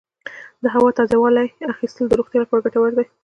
د هوا تازه والي اخیستل د روغتیا لپاره ګټور دي.